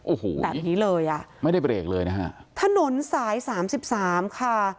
โอ้โหแบบนี้เลยอ่ะไม่ได้เบรกเลยนะฮะถนนสายสามสิบสามค่ะ